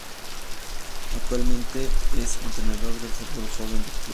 Actualmente es entrenador del Fútbol Joven del club.